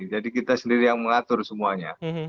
jadi kita sendiri yang mengatur semuanya